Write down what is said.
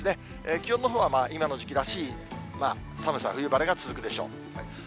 気温のほうは今の時期らしい寒さ、冬晴れが続くでしょう。